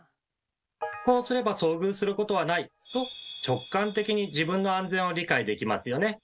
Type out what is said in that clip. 「こうすれば遭遇することはない」と直感的に自分の安全を理解できますよね。